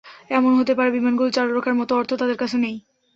এমন হতে পারে বিমানগুলো চালু রাখার মতো অর্থ তাঁদের কাছে নেই।